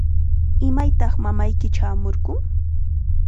¿Imaytaq mamayki chaamurqun?